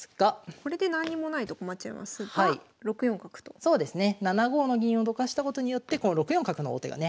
そうですね７五の銀をどかしたことによってこの６四角の王手がね